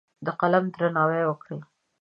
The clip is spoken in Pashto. د قلم درناوی وکړه.